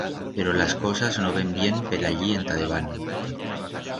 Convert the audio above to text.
Pero las cosas no ven bien por allí enta debant.